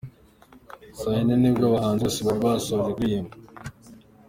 Saa yine nibwo abahanzi bose bari basoje kuririmba.